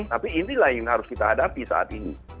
tapi ini lah yang harus kita hadapi saat ini